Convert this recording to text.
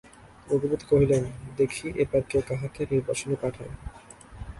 রঘুপতি কহিলেন, দেখি এবার কে কাহাকে নির্বাসনে পাঠায়।